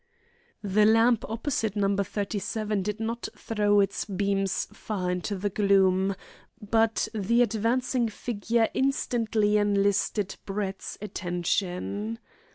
The lamp opposite No. 37 did not throw its beams far into the gloom, but the advancing figure instantly enlisted Brett's attention.